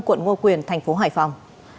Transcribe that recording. quận ngo quyền thành phố hải phòng